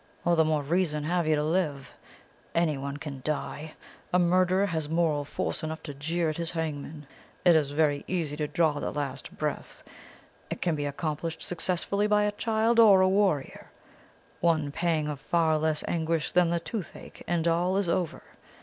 All the more reason have you to live. Anyone can die. A murderer has moral force enough to jeer at his hangman. It is very easy to draw the last breath. It can be accomplished successfully by a child or a warrior. One pang of far less anguish than the toothache, and all is over.